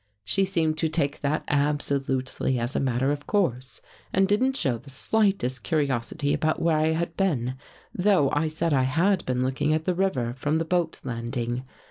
She seemed to take that absolutely as a matter of course and didn't show the slightest curiosity about where I had been, though I said I had been looking at the river from the boat landing.